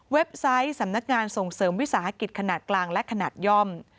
ไซต์สำนักงานส่งเสริมวิสาหกิจขนาดกลางและขนาดย่อม